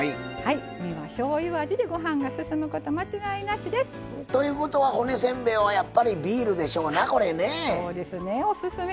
身はしょうゆ味でご飯が進むこと間違いなしです。ということは骨せんべいはやっぱりビールでしょうなこれねえ。